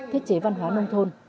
thiết chế văn hóa nông thôn